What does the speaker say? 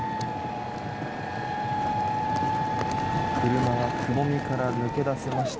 車がくぼみから抜け出せました。